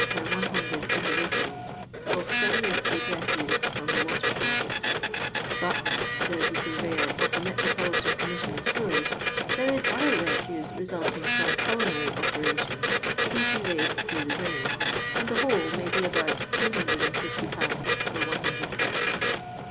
per 100 individuals, of semi liqnid refuse from the water closet "But," says the Surveyor of the Me tropolitan Commission of Sewers, " there is other refuse resulting from culinary operations, to be conveyed through the drains, and the whole may be about 250 lbs. for 100 persons.''